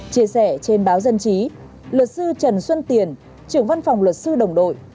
chia sẻ trên báo dân chí luật sư trần xuân tiền trưởng văn phòng luật sư đồng đội